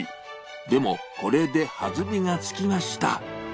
でも、これで弾みがつきました。